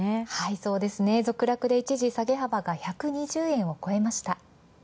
そうですね、続落で一時下げ幅が１２０円を超えました。